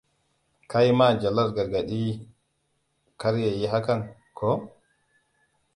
Ka yi ma Jalal gargadi kar ya yi hakan, ko?